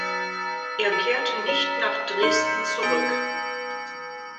Er kehrte nicht nach Dresden zurück.